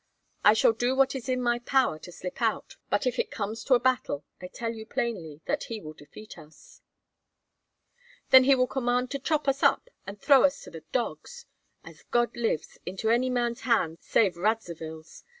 I shall do what is in my power to slip out, but if it comes to a battle, I tell you plainly that he will defeat us." "Then he will command to chop us up and throw us to the dogs. As God lives! into any man's hands save Radzivill's!